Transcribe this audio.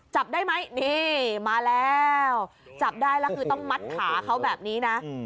จับได้ไหมนี่มาแล้วจับได้แล้วคือต้องมัดขาเขาแบบนี้นะ